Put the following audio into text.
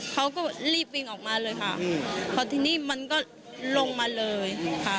เขาก็รีบวิ่งออกมาเลยค่ะพอทีนี้มันก็ลงมาเลยค่ะ